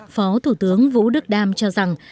phó thủ tướng vũ đức đam cho rằng